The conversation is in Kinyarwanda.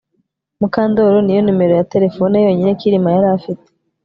Mukandoli niyo numero ya terefone yonyine Kirima yari afite